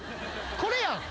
これやん。